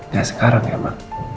gak sekarang ya ma